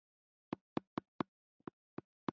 جمال خان موسک شو او وویل چې ته به مې ډېر یاد شې